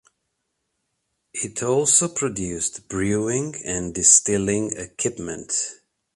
It also produced brewing and distilling equipment.